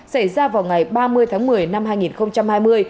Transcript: xảy ra vào ngày ba mươi tháng một mươi năm hai nghìn hai mươi